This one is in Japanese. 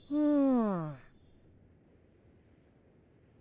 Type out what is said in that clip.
うん。